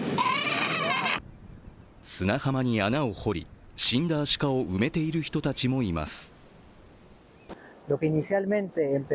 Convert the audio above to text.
砂浜に穴を掘り、死んだアシカを埋めている人たちもいます。